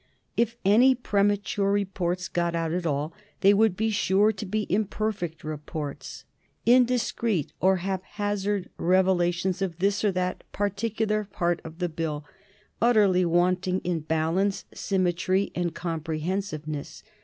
If any premature reports got out at all they would be sure to be imperfect reports, indiscreet or haphazard revelations of this or that particular part of the Bill, utterly wanting in balance, symmetry, and comprehensiveness.